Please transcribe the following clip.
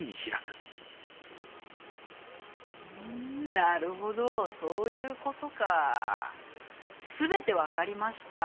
なるほどそういうことか全て分かりました。